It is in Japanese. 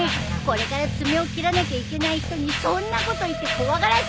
これから爪を切らなきゃいけない人にそんなこと言って怖がらせるのはひどいよ。